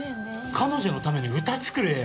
彼女のために歌作れよ。